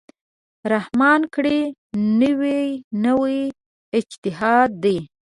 رحمان کړی، نوی نوی اجتهاد دی